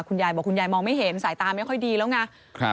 คุณยายบอกคุณยายมองไม่เห็นสายตาไม่ค่อยดีแล้วไง